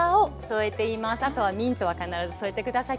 あとはミントは必ず添えて下さい。